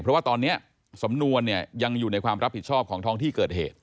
เพราะว่าตอนนี้สำนวนเนี่ยยังอยู่ในความรับผิดชอบของท้องที่เกิดเหตุ